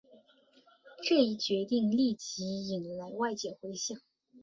这一决定立即引来外界回响。